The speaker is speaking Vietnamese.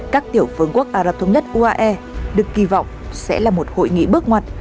các tiểu phương quốc ả rập thống nhất uae được kỳ vọng sẽ là một hội nghị bước ngoặt